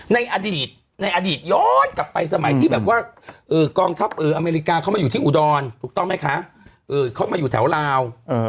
ในอดีตในอดีตย้อนกลับไปสมัยที่แบบว่ากองทัพอเมริกาเขามาอยู่ที่อุดรถูกต้องไหมคะเขามาอยู่แถวลาว